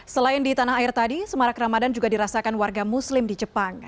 selain di tanah air tadi semarak ramadan juga dirasakan warga muslim di jepang